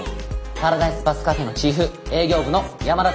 パラダイスバスカフェのチーフ営業部の山田太陽です。